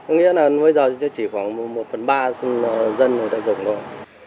có nghĩa là bây giờ chỉ khoảng một phần ba dân người ta dùng thôi